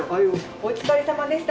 お疲れさまでした。